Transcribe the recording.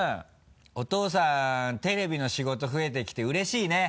お父さんテレビの仕事増えてきてうれしいね。